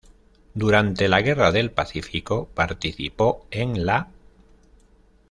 Durante la Guerra del Pacífico participó en la